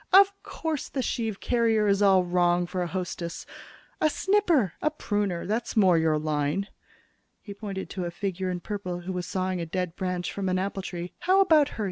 Of course the sheave carrier is wrong for a hostess! A snipper, a pruner that's more your line." He pointed to a figure in purple who was sawing a dead branch from an apple tree. "How about her?"